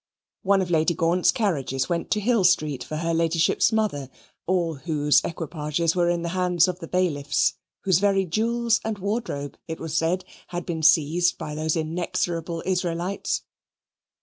One of Lady Gaunt's carriages went to Hill Street for her Ladyship's mother, all whose equipages were in the hands of the bailiffs, whose very jewels and wardrobe, it was said, had been seized by those inexorable Israelites.